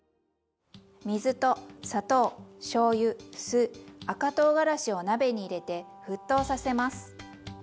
水と砂糖しょうゆ酢赤とうがらしを鍋に入れて沸騰させます。